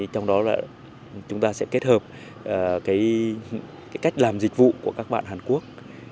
trong đó là chúng ta sẽ kết hợp cách làm dịch vụ của các bạn hàn quốc